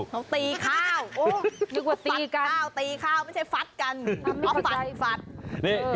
ตีข้าวตีข้าวไม่ใช่ฟัดกัน